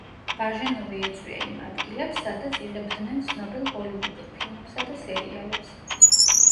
ბაჟენოვი ეწვია იმ ადგილებს, სადაც იღებდნენ ცნობილ ჰოლივუდურ ფილმებსა და სერიალებს.